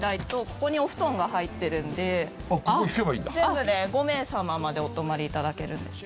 ここにお布団が入ってるんで全部で５名様までお泊まりいただけるんです。